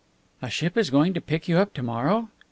"A ship is going to pick you up to morrow?"